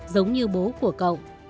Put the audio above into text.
giống như bố của cậu